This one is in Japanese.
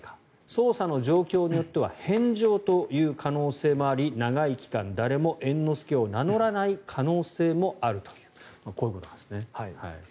捜査の状況によっては返上という可能性もあり長い期間、誰も猿之助を名乗らない可能性もあるというこういうことなんですね。